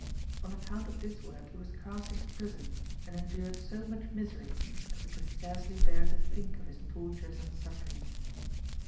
On account of this work he was cast into prison, and endured so much misery that we can scarcely bear to think of his tortures and sufferings.